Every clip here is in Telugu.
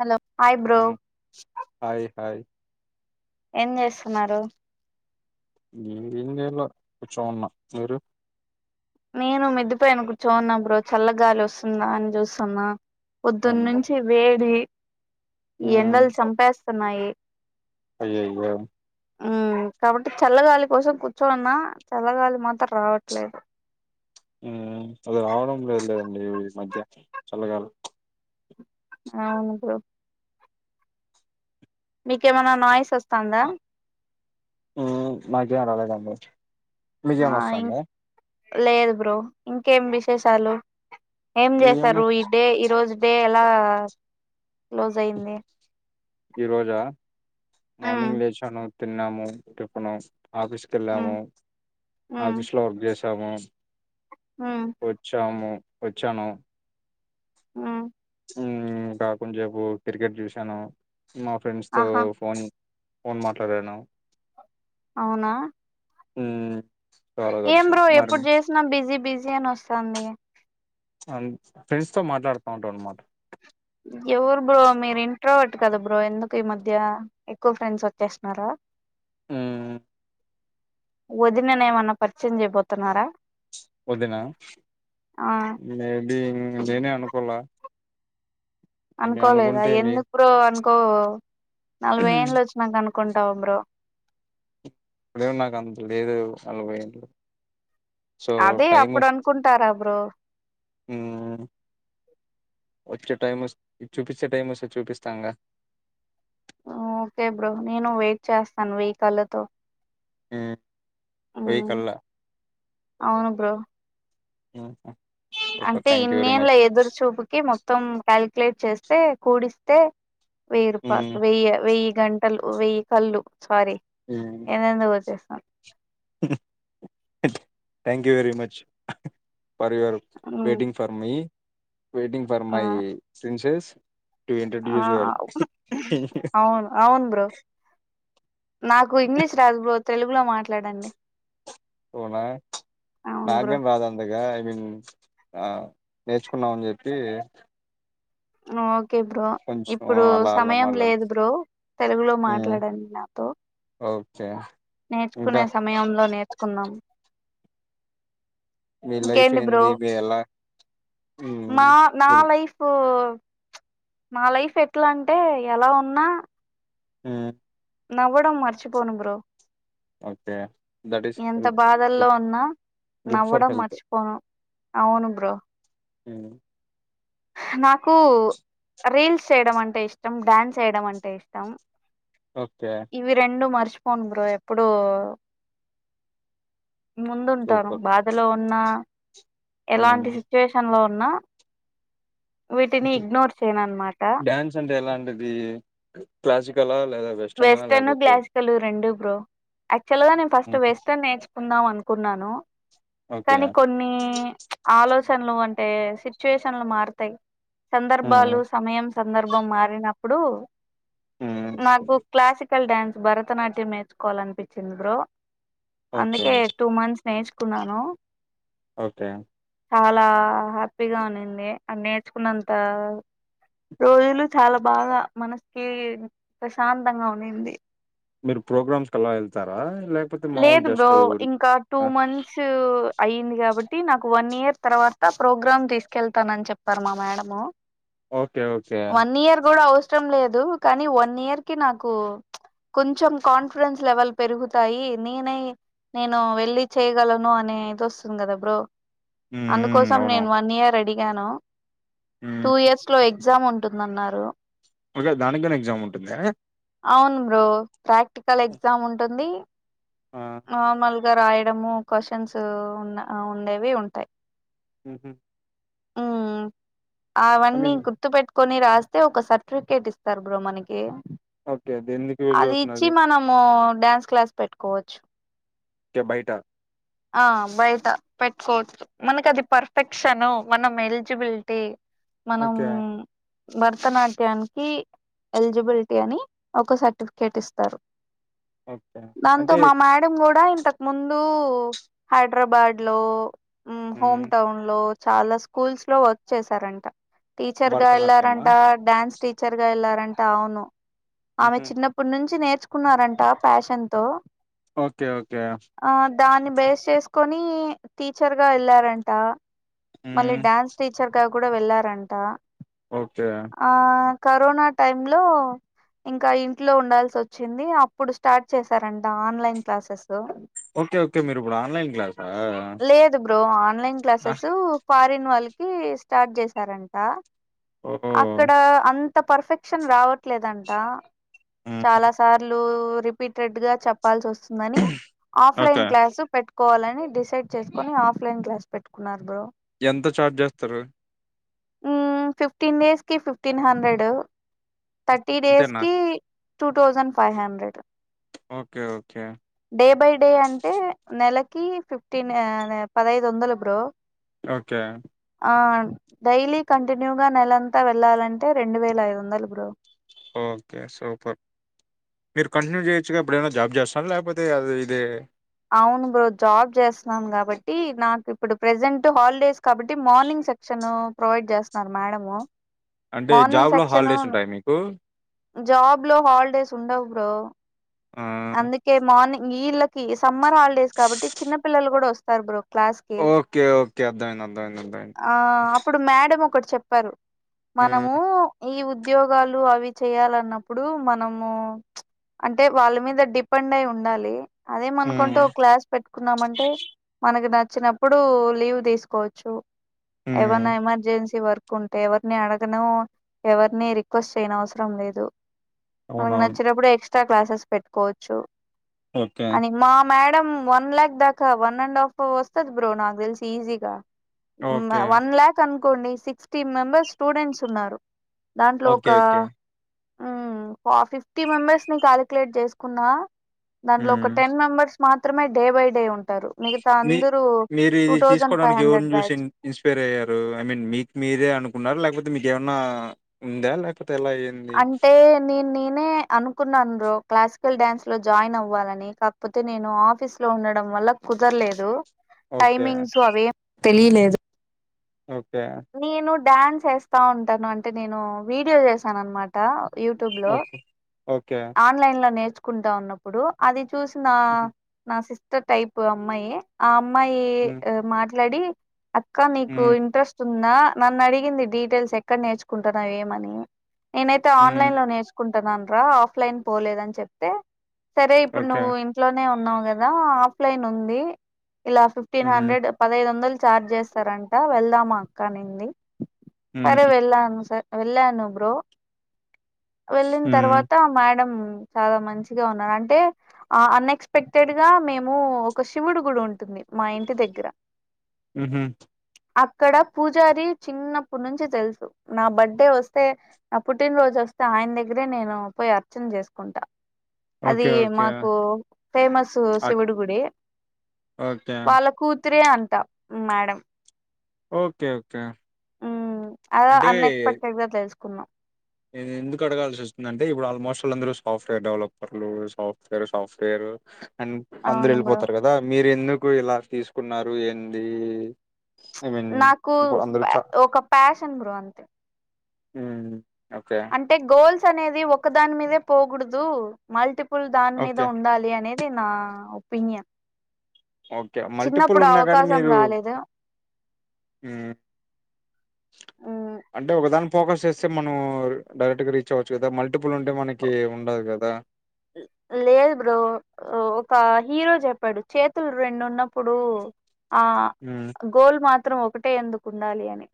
హలో హాయ్ బ్రో ఆ హాయ్ హాయ్ ఏం చేస్తున్నారు నేను ఏం చేయల కూర్చొని ఉన్నా మీరు నేను మెద్దిపైన కూర్చోని ఉన్నా బ్రో చల్ల గాలి వస్తుందా అని చూస్తన్నా పొద్దున్న అమ్మో నుంచి వేడి ఈ ఉమ్ ఎండల్ చంపేస్తున్నాయి అయ్యయ్యో ఊ కాబట్టి చల్లగాలి కోసం కూర్చోనున్న చల్లగాలి మాత్రం రావట్లేదు ఊ అది రావడం లేదు లేండి ఈ మధ్య చల్లగాలి అవును బ్రో మీకేమైనా నాయిస్ ఒస్తందా హు నాకేం రాలేదండి మీకేం ఆ ఇం నొస్తంద లేదు బ్రో ఇంకేం విశేషాలు ఏం ఏమన్నా చేసారు ఈ డే ఈ రోజు డే ఎలా క్లోజైంది ఈ రోజా ఉమ్ మార్నింగ్ లేచాను తిన్నాము టిపన్ ఉమ్ ఆఫీసుకేళ్ళాము ఉమ్ ఆఫీస్లో వర్క్ చేసాము ఉమ్ వచ్చాము వచ్చాను హ హు కాకు కొంసేపు క్రికెట్ చూసాను మా ఫ్రెండ్స్ తో ఆహా ఫోన్ ఫోన్ మాట్లాడాను అవునా ఉహు ఏం బ్రో ఎప్పుడు చేసినా బిజీ బిజీ అనొస్తాంది అన్ ఫ్రెండ్స్ తో మాట్లాడుతా ఉంటానన్మాట ఎవరు బ్రో మీరు ఇంట్రోవటు కదా బ్రో ఎందుకు ఈ మధ్య ఎక్కువ ఫ్రెండ్స్ వచ్చేస్తున్నారు. ఉమ్, వదిననేమన్నా పరిచయం చేయబోతున్నారా వదిన ఆ మేబి నీనే అనుకోలా మే అనుకోలేదా అనుకుంటే మీ ఎందుకు బ్రో అనుకోవు నలభై ఎంన్లు వచ్చినాక అనుకుంటావా బ్రో ఇప్పుడేం నాకంత లేదు నలభై ఏండ్లు అదే అపుడనకుంటారా బ్రో మ్ వచ్చే టైం వస్ చూపించే టైం వస్తే చూపిస్తంగా హు ఒకే బ్రో నీను వెట్ చేస్తాను వేయికళ్ళతో మ్ మ్ అవును బ్రో మ్ అంటే ఇన్నేడ్ల ఎదురు చూపుకి మొత్తం కల్ ప్లస్ చేస్తే కూడిస్తే వేయిరుపాయల్ వేయా వేయ్యి గంటలు వేయ్యికళ్ళు సారీ ఎందెందో వచ్చేస్ thank you very much for your hmm waiting for me waiting for my princess అ ఆవ్ అవును అవును బ్రో నాకు ఇంగ్లీష్ రాదు బ్రో తెలుగులో మాట్లాడండి అవునా అవును బ్రో నాకేం రాదంతగా ఇం హా నేర్చుకున్నామని చెప్పి ఓ కే బ్రో కొంచెం ఇప్పుడు అలా అలా సమయం మాట్లాడు లేదు బ్రో తెలుగులో మాట్లాడండి నాతో ఓక్ నేర్చుకునే సమయంలో నేర్చుకున్నం మీ లైఫ్ ఇంకేంటి బ్రో ఏంది మీ ఎలా మా మ్మ్ నా మ్మ్ లైఫు మా లైఫు ఎట్లా అంటే ఎలా ఉన్నా మ్ నవ్వడం మర్చిపోను బ్రో ఒకే ఎంత బాధల్లో ఉన్నా గుడ్ ఫర్ నవ్వడం హెల్త్ మర్చిపోను అవును బ్రో మ్ నాకు రీల్స్ చేయడం అంటే ఇష్టం డాన్స్ ఏయడం అంటే ఇష్టం ఓకే ఇవి రెండు మర్చ్ చ్ పోన్ బ్రో ఎప్పుడు ముందుంటారు సూపర్ బాధలో ఉన్నా మ్మ్ ఎలాంటి సిచ్యువేషన్ లో ఉన్నా వీటిని ఇగ్నోర్ చేయను అనమాట డ్యాన్స్ అంటే ఎలంటిది క్లాసికల్ ఆ వెస్టర్న్ క్లాసికల్ రెండు బ్రో యాక్చువల్ గా నేను ఫస్ట్ మ్మ్ వెస్టర్న్ నేర్చుకుందామను కున్నాను ఓకే కానీ కొన్ని ఆలోచ్ షన్లు అంటే సిచ్యువేషన్లు మారతాయి మ్మ్ సందర్భాలు సమయం సందర్భం మారిన ప్పుడు మ్ క్లాసికల్ డ్యాన్స్ భరతనాట్యం నేర్చుకోవాలనిపించింది బ్రో ఓకే అందుకే టూ మంత్స్ నేర్చుకున్నాను ఓకే చాలా హ్యాపీగా ఉన్నింది అ నేర్చుకున్నంత రోజులు చాలా బాగా మనసుకి ప్రశాంతంగా ఉన్నింది మీరు ప్రోగ్రామ్స్కిలా ఎళ్తారా లేదు బ్రో ఇంకా టూ మంత్స్ అయ్యింది కాబట్టి నాకు వన్ ఇయర్ తర్వాత ప్రోగ్రామ్ తీసుకెళ్తానని చెప్పారు మా madam okay okay one year కూడా అవసరం లేదు కానీ వన్ ఇయర్ కి నాకు కొంచెం కాన్ఫిడెన్స్ లెవెల్ పెరుగుతాయి నేనై నేను వెళ్ళి చేయగలను అనే ఇది వస్తుంది కదా బ్రో హ్మ్ హ్మ్. అందుకోసం అవును. నేను వన్ ఇయర్ అడిగాను హ్మ్. టూ ఇయర్స్ లో ఎగ్జామ్ ఉంటుందన్నారు ఒకే దానికిగనే ఎగ్జామ్ ఉంటుందా? అవును బ్రో ప్రాక్టికల్ ఎగ్జామ్ ఉంటుంది ఆ! నార్మల్గా రాయడము క్వాషన్స్ ఉన్నా ఉండేవి ఉంటాయి ఉహు ఉ అవన్నీ మీన్ గుర్తు పెట్టు కొన్ని రాస్తే ఒక సర్టిఫికేట్ ఇస్తారు బ్రో మనకి ఓకే. దేనికి యూజ్ అది ఇచ్చి అవుతున్నది? మనము డ్యాన్స్ క్లాస్ పెట్టుకోవచ్చు టే బయటా ఆ బయట పెట్టుకోవచ్చు మనకది పర్ఫెక్షన్ మనం ఎలిజిబిలిటీ మనం ఓకే. భరతనాట్యానికి ఎలిజిబిలిటీ అని ఒక సర్టిఫికేట్ ఇస్తారు ఓకే. దాన్తో అంటే మా మ్యాడం గుడా ఇంతక్ ముందు హైడ్రాబాడ్ లో హోమ్ హ్మ్. టౌన్ లో చాలా స్కూల్స్ లో వర్క్ చేసారంట టీచర్గా భరతనాట్యమా? వెళ్లారంట డ్యాన్స్ టీచర్గా ఎళ్లారంటే అవును ఆమె హుహు. చిన్నప్పుడు నుంచి నేర్ చ్చుకున్నారంట ప్యాషన్ తో ఓకే. ఓకే. ఆ దాన్ని బేస్ చేసుకొని టీచర్ గా వెళ్ళారంట మల్లి హ్మ్. డ్యాన్స్ టీచర్ గా కూడా వెళ్ళారంట ఓకే. ఆ కరోనా టైం లో ఇంకా ఇంట్లో ఉండాల్సచ్చింది అప్పుడు స్టార్ట్ చేశారంట ఆన్లైన్ క్లాసెస్ ఓకే ఓకే మీరు ఇప్పుడు ఆన్లైన్ లేదు బ్రో ఆన్లైన్ ఆ! క్లాసెస్ ఫారన్ వాళ్ కి స్టార్ట్ చేసారంట ఓహో! అక్కడ అం ంత పర్ఫెక్షన్ రావట్లేదంట హ్మ్. చాలా సార్లు ఓ రిపీటెడ్ గా చెప్పాల్సి వస్తుంది అనీ ఆఫ్లైన్ ఓకే. క్లాస్ పెట్టు కోవాలని డిసైడ్ చేసుకొని ఆఫ్లైన్ క్లాస్ పెట్టుకున్నారు బ్రో ఎంత ఛార్జ్ చేస్తారు ఉమ్ ఫిఫ్టీన్ డేస్ కి ఫిఫ్టీన్ హండ్రెడ్ థర్టీ డేస్ ఇంతేనా? కి two thousand five hundred okay ఓ డే బై డే అంటే నెలకి ఫిఫ్టీన్ పదైదు వందలు బ్రో ఓకే ఆ డైలీ కంటిన్యూగా నెలంతా వెళ్ళాలంటే రెండు వేల ఐదు వందలు బ్రో ఓకే సూపర్ మీరు కంటిన్యూ చేయొచ్చుగా ఎప్పుడన్నా జాబ్ చేస్తారా లేకపోతే అదె ఇదే ం కాబట్టి నాకు ఇప్పుడు ప్రసెంట్ హాలిడేస్ కాబట్టి మార్నింగ్ సెక్షన్ ప్రొవైడ్ చేస్తున్నారు మ్యా మడమో అంటే మార్నింగ్ జాబ్‌లో సెక్షన్ హాలిడేస్ ఉంటాయా మీకు? జాబ్ లో హాలిడేస్ ఉండవు బ్రో ఆ అందుకే మార్నింగ్ ఈళకి సమ్మర్ హాలిడేస్ కాబట్టి చిన్న పిల్లలు కూడా వస్తారు బ్రో క్లాస్ కి ఒక అర్ధం అయింది ఆ అప్పుడు మేడం ఒకటి చెప్పారు హ్మ్ మనము ఈ ఉద్యోగాలు అవి చేయాలన్నప్పుడు మనము అంటే వాళ్ళ మీద డిపెండ్ అయి ఉండాలి హ్మ్ అదేమనుకుంటే ఒక క్లాస్ పెట్టుకున్నామంటే మనకి నచ్చ వచ్చినప్పుడు లీవ్ తీసుకోవచ్చు ఏమన్నా హ్మ్ ఎమర్జెన్సీ వర్క్ కుంటే ఎవరిని అడగను ఎవరిని రిక్వెస్ట్ చేయన అవసరం లేదు మనకు అవునవును నచ్చినప్పుడు ఎక్స్ట్రా క్లాసెస్ పెట్టుకోవచ్చు ఓకే అని మా మేడ మ వన్ లఖ్ దాకా వన్ అండ్ హాఫ్ వస్తుది బ్రో నాకు తెలిసి ఈజీగా ఓకే వన్ లలాక్ అనుకోండి సిక్స్టీ మెంబర్స్ స్టూడెంట్స్ ఉన్నారు దాంట్లో ఒక ఓకే ఓకే ఫిఫ్టీ మెంబెర్స్ ని క్యాలిక్యులేట్ చేసుకున్నా దానిలో ఒక హ్మ్ టెన్ మెంబర్స్ మాత్రమే డే బై డే ఉంటారు మిగతా మీ అందరూ మీరు టూ ఇది థౌజండ్ ఫైవ్ తీసుకోవడానికి హండ్రెడ్ ఎవరిని బ్యాగ చూసి ఇన్స్పైర్ అయ్యారు ఐ మీన్ మీకు మీరే అనుకున్నారు లేకపోతే మీకేమన్నా ఉందా లేకపోతే ఎలా అయ్యింది అంటే నేను నేనే అనుకున్నాను బ్రో క్లాసికల్ డ్యాన్స్ లో జాయిన్ అవ్వాలని కాకపోతే నేను ఆఫీస్ లో ఉండడం వల్ల కుదరలేదు ఓకే టైమింగ్స్ అవేం తెలిలేదు ఓకే డ్యాన్స్ వేస్తా ఉంటాను అంటే నేను వీడియో చేశాను అన్నమాట యూట్యూబ్ లో ఓకే ఓకే ఆన్లైన్ లో నేర్చుకుంటా ఉన్నప్పుడు అది చూసిన నా సిస్టర్ టైప్ అమ్మాయి ఆ అమ్మాయి హ్మ్ మాట్లాడి అక్క నీకు హ్మ్ ఇంట్రెస్ట్ ఉందా నన్ను అడిగింది డీటెయిల్స్ ఎక్కడ నేర్చుకుంటున్నావ ఏమని నేనైతే హ్మ్ ఆన్లైన్ లో నేర్చుకుంటున్నాను రా ఆఫ్లైన్ పోలేదని చెప్తే సరే ఇప్పుడు ఓకే నువ్వు ఇంట్లోనే ఉన్నావు కదా ఆఫ్లైన్ ఉంది ఇలా ఫిఫ్టీన్ హ్మ్ హండ్రెడ్ పదహైదు వందలు చఛార్జ్ చేస్తారంట వెళ్దామా అక్క నింది హ్మ్ సరే వెళ్ళాను స వెళ్ళాను బ్రో వెళ్ళిన హ్మ్ తర్వాత మేడం చాలా మంచిగా ఉన్నా అంటే ఆ అన్ఎక్స్పెక్టెడ్ గా మేము ఒక శివుడు గుడి ఉంటుంది మా ఇంటి దగ్గర హుహు అక్కడ పూజారి చిన్నప్పుడు నుంచి తెలుసు నా బర్త్డే వస్తే ఆ పుట్టినరోజు వస్తే ఆయన దగ్గరే నేను పోయి అర్చన చేసుకుంటా అది ఓకే ఓకే మాకు ఫేమస్ అట్ శివుడి గుడి ఓకే తీ అంట మేడం ఓకే ఓకే ఉ అద అన్ఎక్స్పెక్టెడ్ గా తెలుసుకున్నాం ఇది ఎందుకు అడగాల్సి వస్తుంది అంటే ఇప్పుడు ఆల్మోస్ట్ వాళ్ందరుూ సాఫ్ట్వేర్ డెవలపర్లు సాఫ్ట్వేర్ సాఫ్ట్వేర్ రూ అండ్ అందరు అవును బ్రో వెళ్ళిపోతారు కదా మీరు ఎందుకు ఇలా తీసుకున్నారు ఏంది ఐ మీన్ నాకు ఇప్పుడు అందరూ చ ఒక ప్యాషన్ బ్రో అంతే ఉ అంటే గోల్స్ అనేది ఒకదాని మీదే పోకూడదు మల్టి పుల్ దాని మీద ఓకే ఉండాలి అనేది నా ఒపీనియన్ ఓకే మల్టిపుల్ చిన్నప్పుడు ఉన్నా కాని అవకాశం మీరు రాలేదు ఉమ్ మ్ అంటే ఒకదాని ఫోకస్ చేస్తే మనం డైరెక్ట్ గా రీచ్ అవ్వచ్చు కదా మల్టిపుల్ ఉంటే మనకి ఉండదు కదా లేదు బ్రో ఒక హీరో చెప్పాడు చేతులు రెండు ఉన్నప్పుడు ఆ మ్మ్ గోల్ మాత్రం ఒకటే ఎందు కుండాలి అని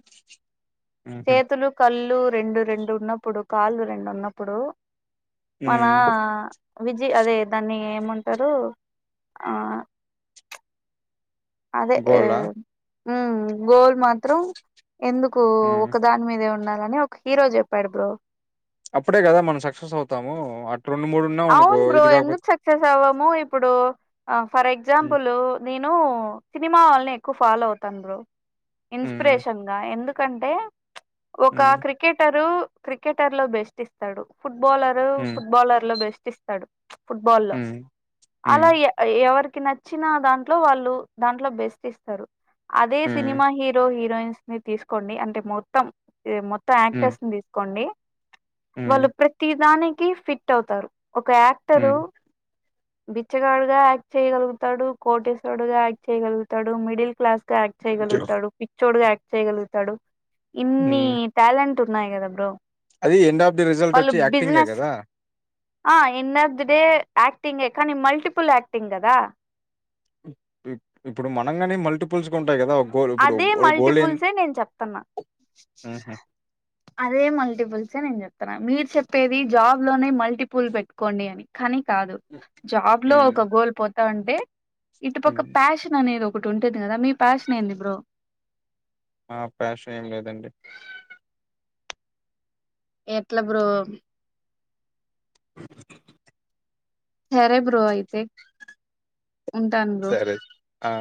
మ్హూ చేతులు కళ్ళు రెండు రెండు ఉన్నప్పుడు కాళ్ళు రెండు ఉన్నప్పుడు మనా మ్మ్ విజి అదే దాన్ని ఏమంటారు ఆ అదే ఎ గోలా ఊ గోల్ మాత్రం ఎందుకు మ్మ్ ఒక దాని మీదే ఉండా అని ఒక హీరో చెప్పాడు బ్రో అప్పుడే కదా మనం సక్సెస్ అవుతాము రెండు మూడు ఉన్నాం అనుకో అవును బ్రో ఇది కాకపోతే ఎందుకు సక్సెస్ అవ్వము ఇప్పుడు ఫర్ మ్మ్ ఎగ్జాంపుల్ నేనూ సినిమా వాళ్ళని ఎక్కువ ఫాలో అవుతాం బ్రో మ్మ్ ఇన్స్పిరేషన్ గా ఎందుకంటే ఒక మ్మ్ క్రికెటరు క్రికెటర్ లో బెస్ట్ ఇస్తాడు ఫుట్బాలర్ హ్మ్ ఫుట్బాలర్ లో బెస్ట్ ఇస్తాడు ఫుట్బా లో హ్మ్ హ్మ్ అలా ఎ ఎవరు నచ్చిన దాంట్లో వాళ్ళు దాంట్లో బెస్ట్ ఇస్తారు అదే హ్మ్ సినిమా హీరో హి హీరోయిన్స్ ని తీసుకోండి అంటే మొత్తం మొత్తం హ్మ్ యాక్టర్స్ ని తీసుకోండి వాళ్ళు హ్మ్ ప్రతిదానికి ఫిట్ అవుతారు ఒక యాక్టరు హ్మ్ బిచ్చగాడు గా యాక్ట్ చేయగలుగుతాడు కోటేశ్వడు గా యాక్ట్ చేయగలుగుతాడు మిడిల్ క్లాస్ గా యాక్ట్ చేయగలుగుతాడు పిచ్చోడ్ గా యాక్ట్ చేయగలుగుతాడు ఇన్ని హ్మ్ టాలెంట్ ఉన్నాయి గద బ్రో అది ఎండ్ ఆఫ్ ది రిజల్ట్ వాళ్ళు వచ్చి యాక్టింగే బిజినెస్ కదా ఆ ఇన్ ఆఫ్ ది డే ఆయాక్టింగే కని మల్టిపుల్ యాక్టింగ్ కదా ఇప్పుడు మనం గాని మల్టిపుల్స్ ఉంటాయి కదా గోల్ ఇప్పుడు అదే ఓ గోల్ ఏం మల్టిపుల్సే నేను చెప్తన్నా హుహు. అదే మల్టిపుల్సే నేను చెప్ మీరు చెప్పేది జాబ్ లోనే మల్టిపుల్ పెట్టుకోండి అనీ కని కాదు జాబ్ లో హ్మ్. ఒక గోల్ పోతాంటే ఇటు పక్క హ్మ్. ప్యాషన్ అనేది ఒక్ ఒకటి ఉంటుంది కదా మీ ప్యాషన్ ఏంది బ్రో నా ప్ర్యాషన్ ఏం లేదండి ఎట్ల బ్రో సరే బ్రో అయితే ఉంటాను బ్రో సరే ఆ